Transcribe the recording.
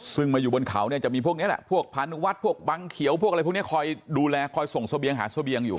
ซึ่งมาอยู่บนเขาเนี่ยจะมีพวกนี้แหละพวกพานุวัฒน์พวกบังเขียวพวกอะไรพวกนี้คอยดูแลคอยส่งเสบียงหาเสบียงอยู่